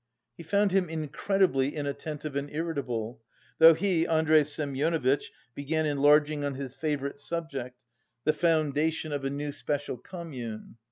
He found him incredibly inattentive and irritable, though he, Andrey Semyonovitch, began enlarging on his favourite subject, the foundation of a new special "commune."